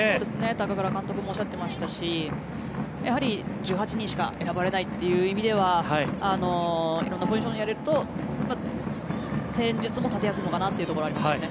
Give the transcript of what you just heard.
高倉監督もおっしゃっていましたしやはり１８人しか選ばれないという意味では色んなポジションをやれると戦術も立てやすいのかなというところはありますね。